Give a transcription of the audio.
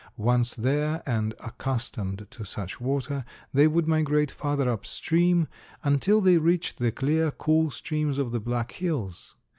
Once there and accustomed to such water they would migrate farther up stream until they reached the clear, cool streams of the Black Hills.